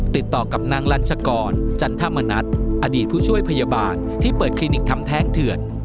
ติดต่อกับนางลัญชกรจันทมณัฐอดีตผู้ช่วยพยาบาลที่เปิดคลินิกทำแท้งเถื่อน